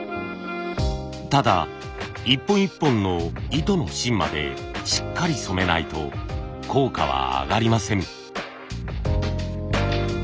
ただ一本一本の糸の芯までしっかり染めないと効果は上がりません。